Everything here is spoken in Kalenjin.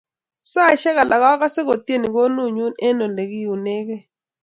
Saishek alak akase kotieni konunyu eng ole kiunekei